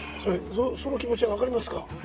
その気持ちは分かりますか？